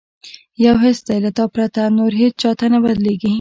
یو حس دی له تا پرته، نور هیڅ چاته نه بدلیږي